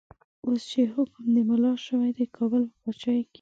اوس چه حکم د ملا شو، دکابل په پاچایی کی